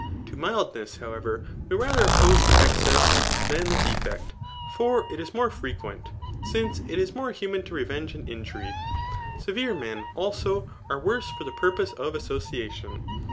To mild* ness, however, we rather oppose the excess than the de fect ; for it is m(»e frequent ; since it is more human to revenge an injury. Severe men, al8o> are worse for Ae purpose of association.